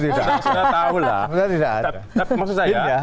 ya sebetulnya sudah tahu lah